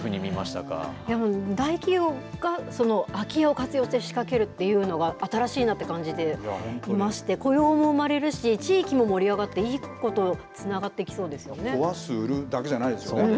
大企業がその空き家を活用して仕かけるっていうのが新しいなと感じていまして雇用も生まれるし地域も盛り上がっていいことつながってきそうですよね。